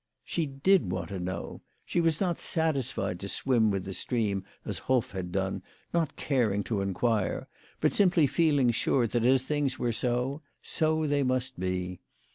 She did want to know. She was not satisfied to swim with the stream as HofF had done, not caring to inquire, but simply feeling sure that as things were so, so they must be.